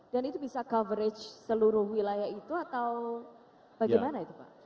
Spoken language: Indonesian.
dan itu bisa coverage seluruh wilayah itu atau bagaimana itu pak